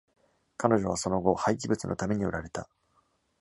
彼女はその後、廃棄物のために売られた。